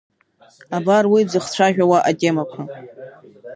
Абар уи дзыхцәажәауа атемақәа…